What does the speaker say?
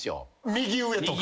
右上とか。